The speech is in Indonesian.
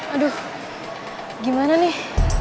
aduh gimana nih